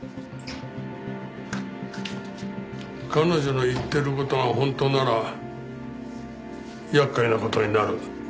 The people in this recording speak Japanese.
彼女の言ってる事が本当なら厄介な事になる。